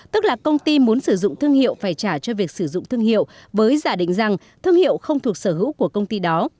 tức là công ty muốn sử dụng thương hiệu phải trả cho việc sử dụng thương hiệu với giả định rằng thương hiệu không thuộc sở hữu của công ty đó